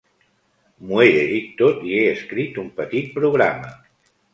M'ho he llegit tot i he escrit un petit programa.